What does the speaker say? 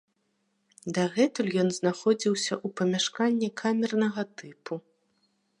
Дагэтуль ён знаходзіўся ў памяшканні камернага тыпу.